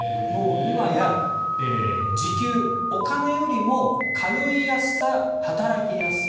今や時給、お金よりも通いやすさ、働きやすさ